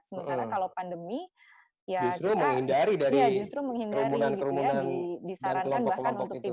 karena kalau pandemi ya kita justru menghindari gitu ya disarankan bahkan untuk tidak